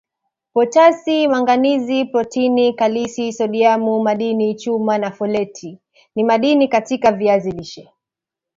potasi manganizi protini kalisi sodiamu madini chuma na foleti ni madini katika viazi lishe